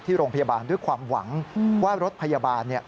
ที่โรงพยาบาลด้วยความหวังว่ารถพยาบาล